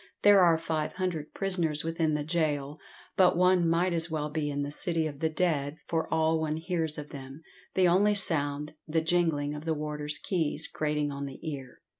There are five hundred prisoners within the gaol, but one might as well be in the City of the Dead for all one hears of them, the only sound, the jingling of the warders' keys, grating on the ear.